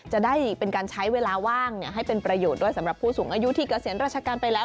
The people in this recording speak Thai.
จะได้เป็นการใช้เวลาว่างให้เป็นประโยชน์ด้วยสำหรับผู้สูงอายุที่เกษียณราชการไปแล้ว